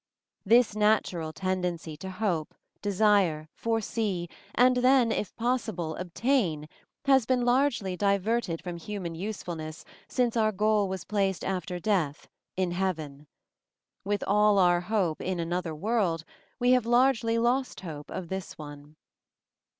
This natural tendency to hope, desire, foresee and then, if possible, obtain, has been largely diverted from human usefulness since our goal was placed after death, in Heaven. With all our hope in "Another World," we have largely lost hope of this one.